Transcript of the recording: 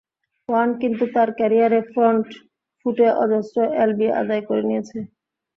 Warne কিন্তু তাঁর ক্যারিয়ারে ফ্রন্ট ফুটে অজস্র এলবি আদায় করে নিয়েছে।